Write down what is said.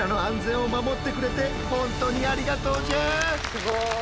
すごい。